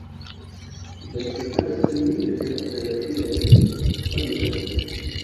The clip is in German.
Das bekannteste Musical aus seiner Feder ist "Oliver!